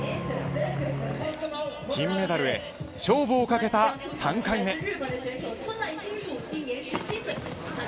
金メダルへ勝負をかけた３回目。